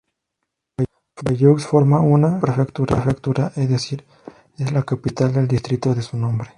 Bayeux forma una subprefectura, es decir, es la capital del distrito de su nombre.